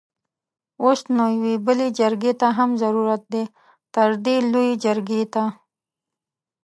اوس نو يوې بلې جرګې ته هم ضرورت دی؛ تردې لويې جرګې ته!